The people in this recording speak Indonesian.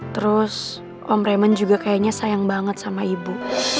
terus om preman juga kayaknya sayang banget sama ibu